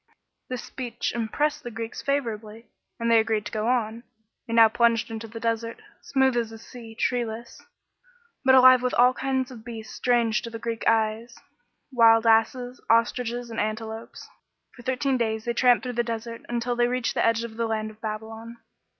This speech impressed the Greeks favourably, and they agreed t6 go on. They now plunged into the desert, " smooth as a sea, treeless," but alive with all kinds of beasts strange to the Greek eyes B.C. 401.] TEN THOUSAND 1 GREEKS. 117 wild asses, ostriches, and antelopes. For thirteen days they tramped through the desert, until they reached the edge of the land of Babylon.